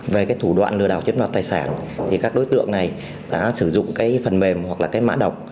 về cái thủ đoạn lừa đảo chiếm đoạt tài sản thì các đối tượng này đã sử dụng cái phần mềm hoặc là cái mã độc